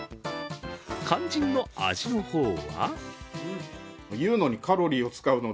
肝心の味の方は？